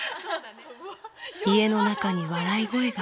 家の中に笑い声がある。